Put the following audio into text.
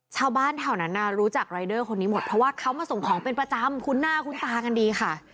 ชาวบ้านแถวนั้นรู้จักรายเดอร์คนนี้หมดเพราะว่าเขามาส่งของเป็นประจำคุ้นหน้าคุ้นตากันดีค่ะ